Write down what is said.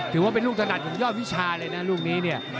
ถือว่าเป็นลูกถนัดของยอดวิชาเลยนะลูกนี้เนี่ย